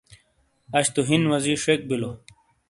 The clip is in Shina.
اش تو ہن وزی شک بیلو ۔